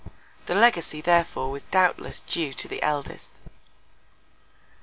The Legacy therefore was doubtless due to the Eldest.